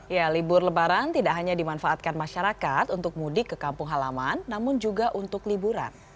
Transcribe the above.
ya libur lebaran tidak hanya dimanfaatkan masyarakat untuk mudik ke kampung halaman namun juga untuk liburan